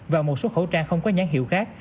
và một số khẩu trang không có nhãn hiệu khác